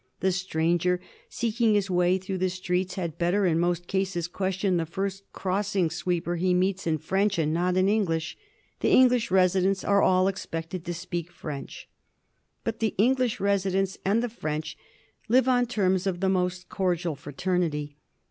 The stranger seeking his way through the streets had better, in most cases, question the first crossing sweeper he meets in French, and not in English. The English residents are all expected to speak French. But the English residents and the French live on terms of the most cordial fraternity.